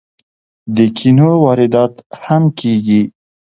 د کینو واردات هم کیږي.